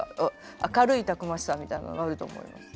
明るいたくましさみたいなのがあると思います。